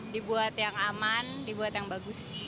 dibuat yang aman dibuat yang bagus